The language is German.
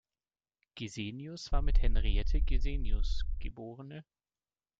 Gesenius war mit "Henriette Gesenius geb.